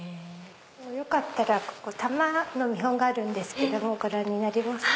よかったらここ玉の見本があるんですけどご覧になりますか？